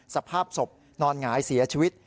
สภาพศพนอนหงายเสียชีวิต